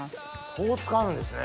こう使うんですね